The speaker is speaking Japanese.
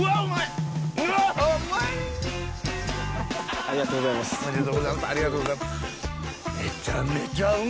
ありがとうございます。